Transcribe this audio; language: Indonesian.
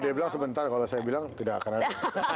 dia bilang sebentar kalau saya bilang tidak akan ada